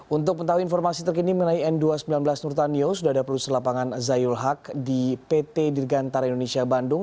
untuk mengetahui informasi terkini mengenai n dua ratus sembilan belas nurtanio sudah ada produser lapangan zayul haq di pt dirgantara indonesia bandung